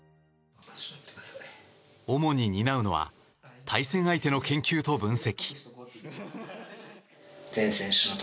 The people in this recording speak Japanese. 主に担うのは対戦相手の研究と分析。